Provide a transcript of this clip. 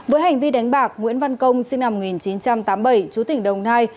với hành vi đánh bạc nguyễn văn công sinh năm một nghìn chín trăm tám mươi bảy chú tỉnh đồng nai